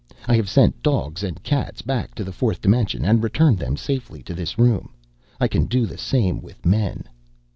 I have sent dogs and cats back to the fourth dimension and returned them safely to this room. I can do the same with men."